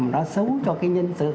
nó xấu cho cái nhân sự